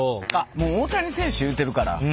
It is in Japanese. もう大谷選手言うてるから簡単や。